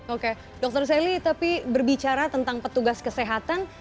oke dr sally tapi berbicara tentang petugas kesehatan